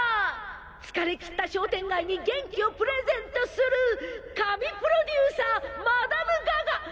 疲れきった商店街に元気をプレゼントする神プロデューサーマダム・ガガ。